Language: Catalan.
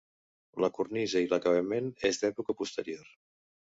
La cornisa i l'acabament és d'època posterior.